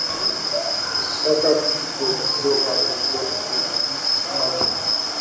Shiga District was dissolved as a result of this merger.